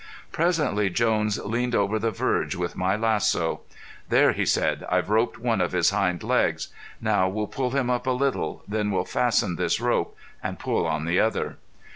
Presently Jones leaned over the verge with my lasso. "There," he said, "I've roped one of his hind legs. Now we'll pull him up a little, then we'll fasten this rope, and pull on the other."